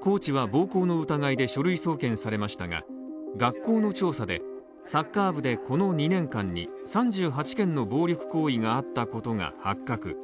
コーチは暴行の疑いで書類送検されましたが、学校の調査で、サッカー部でこの２年間に３８件の暴力行為があったことが発覚。